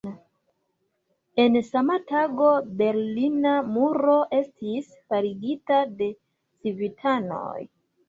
En sama tago, Berlina muro estis faligita de civitanoj.